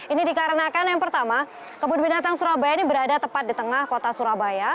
ini dikarenakan yang pertama kebun binatang surabaya ini berada tepat di tengah kota surabaya